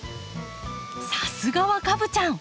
さすがはカブちゃん！